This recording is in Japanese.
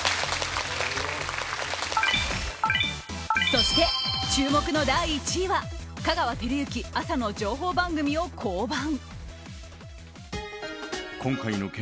そして、注目の第１位は香川照之、朝の情報番組を降板。